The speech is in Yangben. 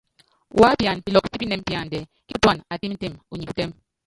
Wuápiana pilɔkɔ pípinɛm píándɛ, kíkutúana: Atɛ́mtɛm, unyi putɛ́m.